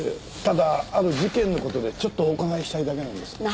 ただある事件の事でちょっとお伺いしたいだけなんです。